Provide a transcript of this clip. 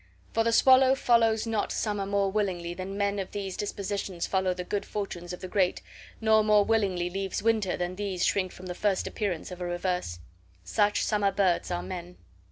For the swallow follows not summer more willingly than men of these dispositions follow the good fortunes of the great, nor more willingly leaves winter than these shrink from the first appearance of a reverse. Such summer birds are men.